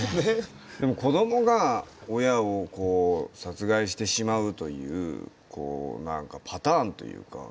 でも子どもが親を殺害してしまうというなんかパターンというか。